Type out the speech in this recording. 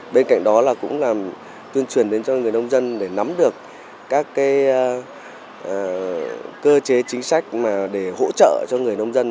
bên cạnh đó là cũng là tuyên truyền đến cho người nông dân để nắm được các cơ chế chính sách để hỗ trợ cho người nông dân